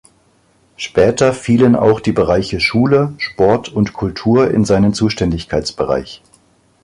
Später fielen auch die Bereiche Schule, Sport und Kultur in seinen Zuständigkeitsbereich.